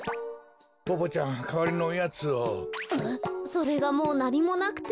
それがもうなにもなくて。